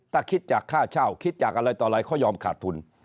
ถ้าคิดจากค่าเช่าคิดจากอะไรต่ออะไรเขายอมขาดทุน